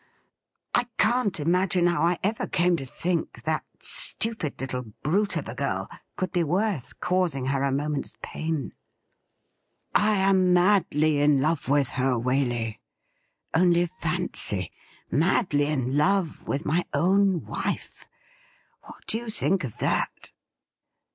I can't imagine how I ever came to think that stupid little brute of a girl could be worth causing her a moment's pain ! I am madly in love with her, Waley — only fancy ! madly in love with my own wife ! What do you think of that